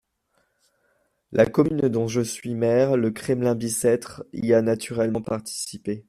La commune dont je suis maire, le Kremlin-Bicêtre, y a naturellement participé.